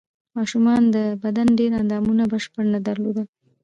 ماشومانو د بدن ډېر اندامونه بشپړ نه درلودل.